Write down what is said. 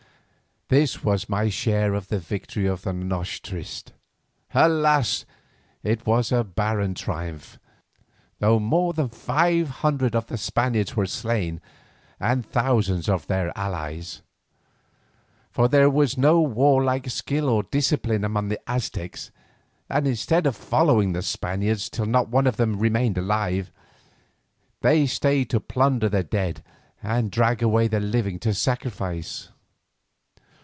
This was my share in the victory of the noche triste. Alas! it was a barren triumph, though more than five hundred of the Spaniards were slain and thousands of their allies. For there was no warlike skill or discipline among the Aztecs, and instead of following the Spaniards till not one of them remained alive, they stayed to plunder the dead and drag away the living to sacrifice.